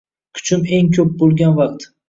Kuchim eng ko’p bo’lgan vaqt.